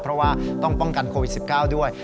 เพราะว่าต้องป้องกันโควิด๑๙ด้วย